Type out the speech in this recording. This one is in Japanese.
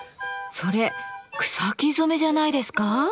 それ草木染めじゃないですか？